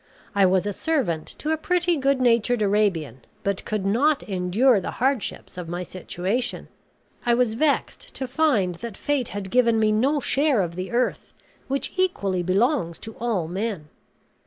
"I was a servant to a pretty good natured Arabian, but could not endure the hardships of my situation. I was vexed to find that fate had given me no share of the earth, which equally belongs to all men.